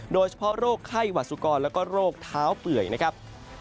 โดยเฉพาะโรคไข้หวัดสุกรแล้วก็โรคเท้าเปื่อยนะครับ